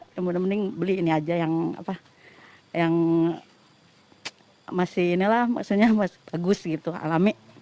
mending mending beli ini aja yang masih bagus gitu alami